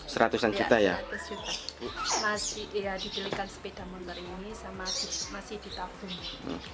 masih ya dipilihkan sepeda motor ini masih ditapung